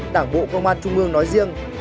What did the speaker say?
đảng bộ công an trung ương nói riêng